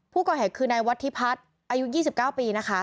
ผู้ก่อเหตุคือนายวัฒิพัฒน์อายุ๒๙ปีนะคะ